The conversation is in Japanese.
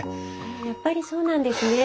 やっぱりそうなんですね。